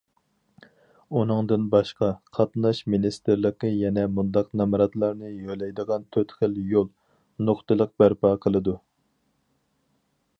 ئۇنىڭدىن باشقا، قاتناش مىنىستىرلىقى يەنە مۇنداق نامراتلارنى يۆلەيدىغان تۆت خىل يول نۇقتىلىق بەرپا قىلىدۇ.